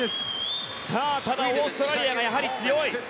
ただ、オーストラリアがやはり強い。